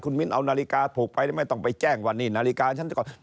คุณมิ้นเอานาฬิกาพกมาไม่ต้องไปแจ้งว่านี่นาฬิกาชั้นจะ